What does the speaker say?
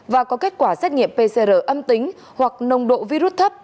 và có kết quả xét nghiệm pcr âm tính hoặc nồng độ virus thấp